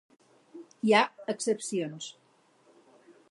Hi ha excepcions.